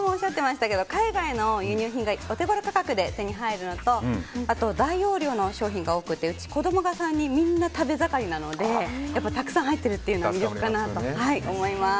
海外の輸入品がお手ごろ価格で手に入るのと大容量の商品が多くてうち子供が３人みんな食べ盛りなのでたくさん入ってるというのは魅力かなと思います。